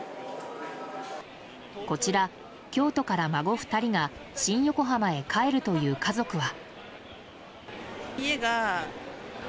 こちら、京都から孫２人が新横浜へ帰るという家族は。